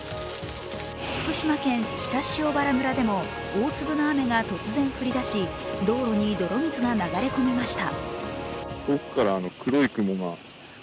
福島県北塩原村でも大粒の雨が突然降り出し、道路に泥水が流れ込みました。